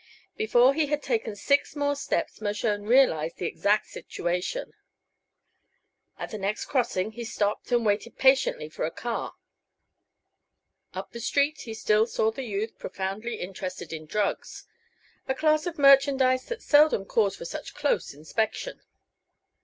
Before he had taken six more steps Mershone realized the exact situation. At the next crossing he stopped and waited patiently for a car. Up the street he still saw the youth profoundly interested in drugs a class of merchandise that seldom calls for such close inspection.